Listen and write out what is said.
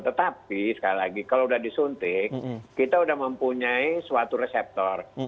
tetapi sekali lagi kalau sudah disuntik kita sudah mempunyai suatu reseptor